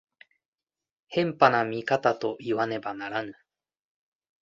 偏頗な見方といわねばならぬ。